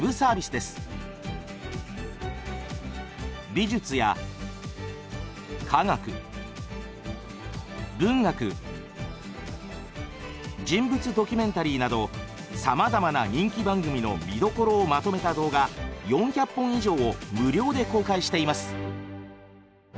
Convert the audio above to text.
美術や科学文学人物ドキュメンタリーなどさまざまな人気番組の「見どころ」をまとめた動画４００本以上を無料で公開しています。